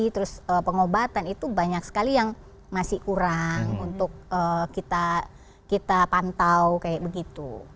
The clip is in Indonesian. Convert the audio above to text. terus pengobatan itu banyak sekali yang masih kurang untuk kita pantau kayak begitu